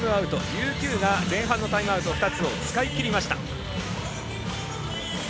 琉球が前半のタイムアウト２つを使い切りました。